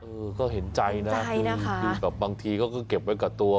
เออก็เห็นใจนะคือแบบบางทีเขาก็เก็บไว้กับตัว